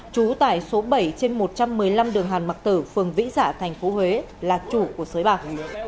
trú tải số bảy trên một trăm một mươi năm đường hàn mạc tử phường vĩ dạ tp huế là chủ của sới bạc